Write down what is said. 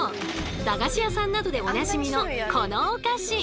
駄菓子屋さんなどでおなじみのこのお菓子。